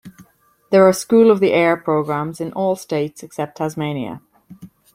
There are School of the Air programmes in all states except Tasmania.